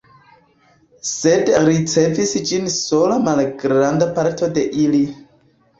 Sed ricevis ĝin sole malgranda parto de ili.